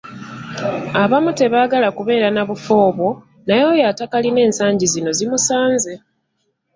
Abamu tebaagala kubeera nabufo obwo, naye oyo atakalina ensangi zino zimusanze.